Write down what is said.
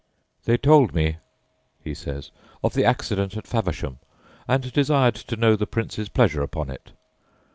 "They told me," he says, "of the accident at Faversham, and desired to know the Prince's pleasure upon it.